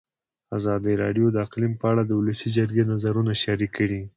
ازادي راډیو د اقلیم په اړه د ولسي جرګې نظرونه شریک کړي.